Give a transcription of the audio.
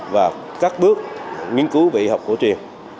và các bước nghiên cứu về y học của trường